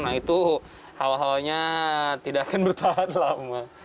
nah itu hal halnya tidak akan bertahan lama